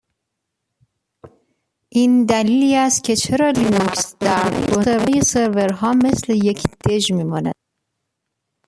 این دلیلی است که چرا لینوکس در دنیای سرورها مثل یک دژ میماند.